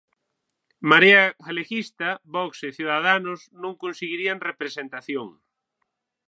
Marea Galeguista, Vox e Ciudadanos non conseguirían representación.